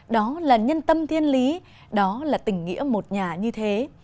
đó là nhân tâm thiên lý đó là tình nghĩa một nhà như thế